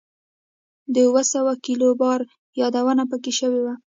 د اووه سوه کیلو بار یادونه په کې شوې وه.